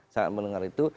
sangat mendengar itu